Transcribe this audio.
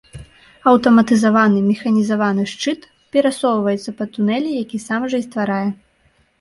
Аўтаматызаваны механізаваны шчыт перасоўваецца па тунэлі, які сам жа і стварае.